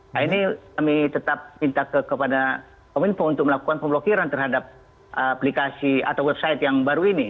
nah ini kami tetap minta kepada kominfo untuk melakukan pemblokiran terhadap aplikasi atau website yang baru ini